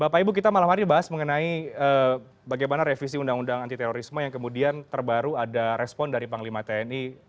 bapak ibu kita malam hari bahas mengenai bagaimana revisi undang undang anti terorisme yang kemudian terbaru ada respon dari panglima tni